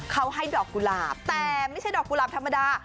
เขาให้ดอกกุหลาบแต่ไม่ใช่ดอกกุหลาบธรรมดา